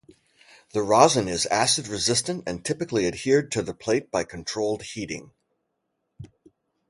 The rosin is acid resistant and typically adhered to the plate by controlled heating.